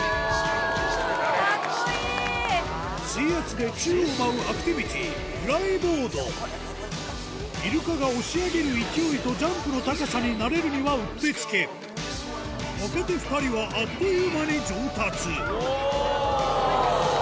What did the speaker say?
水圧で宙を舞うアクティビティイルカが押し上げる勢いとジャンプの高さに慣れるにはうってつけ若手２人はあっという間に上達おぉ！